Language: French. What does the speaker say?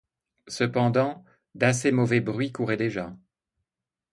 Cependant, d'assez mauvais bruits couraient déjà.